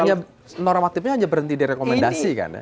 hanya normatifnya hanya berhenti direkomendasi kan